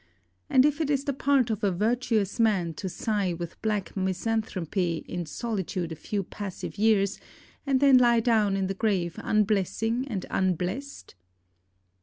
and if it is the part of a virtuous man to sigh with black misanthropy in solitude a few passive years, and then lie down in the grave unblessing and unblessed?